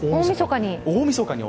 え、大みそかに？